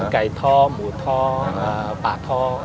ไก่ท้อหมูท้อปลาท้อ